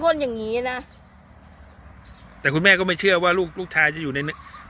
อย่างงี้นะแต่คุณแม่ก็ไม่เชื่อว่าลูกลูกชายจะอยู่ใน